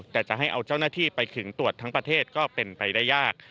แต่จะให้เอาเจ้าหน้าที่ไปถึงตรวจทั้งประเทศก็เป็นไปได้ยาก